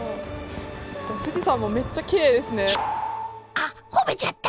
あっ褒めちゃった。